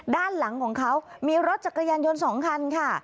ด้านหลังของเขามีรถจักรยานยนต์๒คันค่ะ